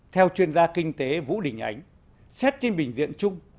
theo chuyên gia kinh tế vũ đình ánh xét trên bình viện trung